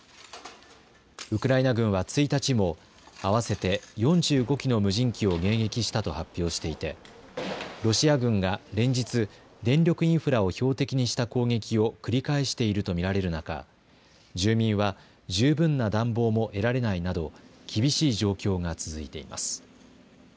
ウクライナ軍は１日も、あわせて４５機の無人機を迎撃したと発表していて、ロシア軍が連日、電力インフラを標的にした攻撃を繰り返しているとみられる中、住民は、十分な暖房も得られないなど、厳しい状況が続いています。